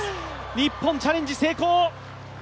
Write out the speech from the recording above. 日本、チャレンジ成功。